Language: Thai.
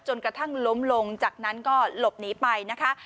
จนกระทั่งล้มลงจากนั้นก็หลบหนีไปนะคะ